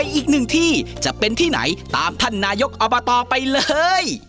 อีกหนึ่งที่จะเป็นที่ไหนตามท่านนายกอบตไปเลย